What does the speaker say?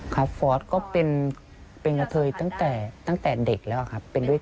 ครับฟอสก็เป็นกะเทยทั้งแต่เด็กและอ่ะครับ